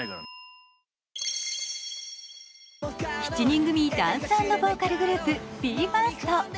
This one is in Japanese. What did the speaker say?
７人組ダンス＆ボーカルグループＢＥ：ＦＩＲＳＴ。